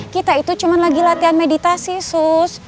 kita itu cuma lagi latihan meditasi sus